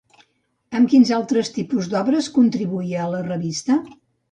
Amb quins altres tipus d'obres contribuïa a la revista?